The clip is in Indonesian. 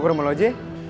gue ke rumah lo aja ya